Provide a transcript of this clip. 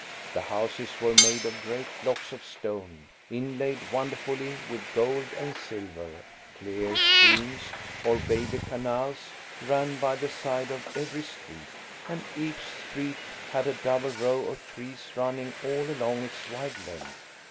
The houses were made of great blocks of stone inlaid wonderfully with gold and silver; clear streams–or baby canals–ran by the side of every street, and each street had a double row of trees running all along its wide length.